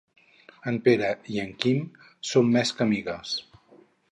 En Pere i en Quim són més que amigues.